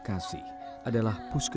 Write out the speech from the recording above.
kami berdaya karenaaustrade